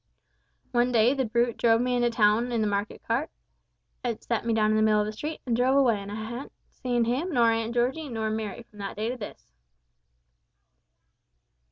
One day the Brute drove me into town in the market cart; set me down in the middle of a street, and drove away, an' I haven't seen him, nor Aunt Georgie, nor Merry from that day to this."